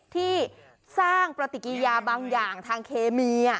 ที่สร้างปฏิกิยาบางอย่างทางเคมี